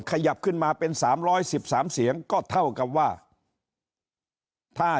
ขยับขึ้นมาเป็นสามร้อยสิบสามเสียงก็เท่ากับว่าถ้า